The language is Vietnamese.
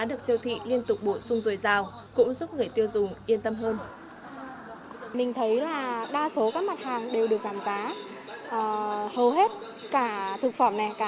được siêu thị liên tục bổ sung dồi dào